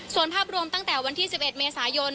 ส่วนภาพรวมตั้งแต่วันที่๑๑เมษายน